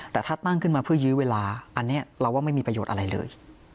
แต่ถ้าตั้งขึ้นมาเพื่อยื้อเวลาอันนี้เราว่าไม่มีประโยชน์อะไรเลย